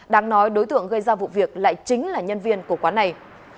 đáng nói đối tượng gây ra vụ việc lại chính là nhân viên của quán này